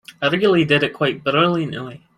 I really did it quite brilliantly.